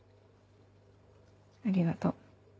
ありがとう。